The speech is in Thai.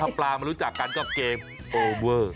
ถ้าปลามารู้จักกันก็เกมโอเวอร์